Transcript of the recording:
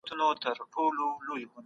د رنځ سبب باید په دقت معلوم سي.